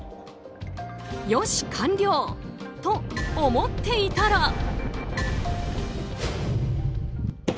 よし完了、と思っていたら。